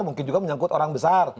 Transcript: mungkin juga menyangkut orang besar